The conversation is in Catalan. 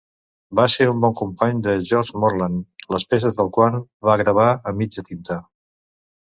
Va ser un bon company de George Morland, les peces del qual va gravar a mitja tinta.